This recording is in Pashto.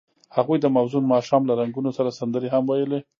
هغوی د موزون ماښام له رنګونو سره سندرې هم ویلې.